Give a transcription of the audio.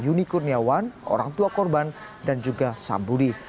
unikurniawan orang tua korban dan juga sambudi